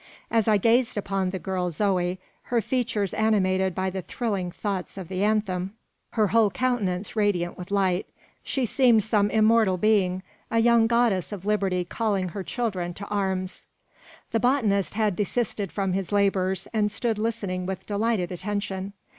As I gazed upon the girl Zoe, her features animated by the thrilling thoughts of the anthem, her whole countenance radiant with light, she seemed some immortal being a young goddess of liberty calling her children "to arms!" The botanist had desisted from his labours, and stood listening with delighted attention.